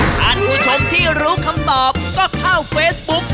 ท่านผู้ชมที่รู้คำตอบก็เข้าเฟซบุ๊ก